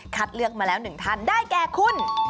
คัดเลือกมาแล้วหนึ่งท่านได้แก่คุณ